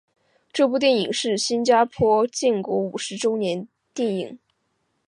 这部电影是新加坡建国五十周年电影。